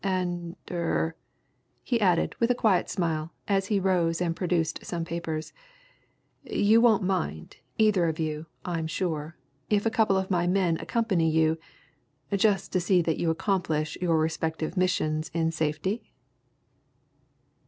And, er " he added, with a quiet smile, as he rose and produced some papers "you won't mind, either of you, I'm sure, if a couple of my men accompany you just to see that you accomplish your respective missions in safety?"